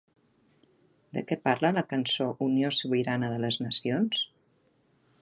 De què parla la cançó Unió Sobirana de les Nacions?